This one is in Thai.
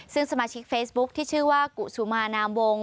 ซึ่งสมาชิกเฟซบุ๊คที่ชื่อว่ากุสุมานามวง